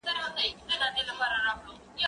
زه کولای سم سبزیجات پاختم